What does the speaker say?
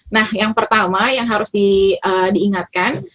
nah yang pertama yang harus diingatkan